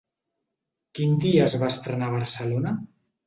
Quin dia es va estrenar a Barcelona?